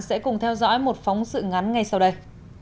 sẽ cùng theo dõi một phóng sự ngắn ngay sau đây